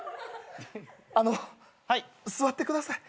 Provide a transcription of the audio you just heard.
あの座ってください。